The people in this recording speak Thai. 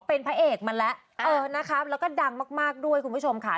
เป็นพระเอกมาแล้วเออนะคะแล้วก็ดังมากด้วยคุณผู้ชมค่ะ